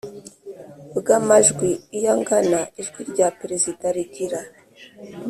bw amajwi Iyo angana ijwi rya Perezida rigira